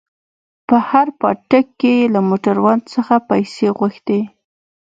په هر پاټک کښې يې له موټروان څخه پيسې غوښتې.